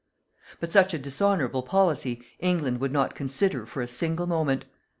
But such a dishonourable policy England would not consider for a single moment.